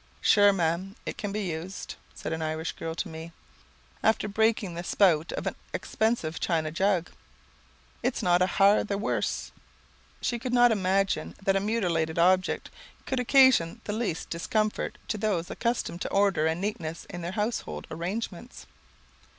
"Shure, Ma'am, it can be used," said an Irish girl to me, after breaking the spout out of an expensive china jug, "It is not a hair the worse!" She could not imagine that a mutilated object could occasion the least discomfort to those accustomed to order and neatness in their household arrangements.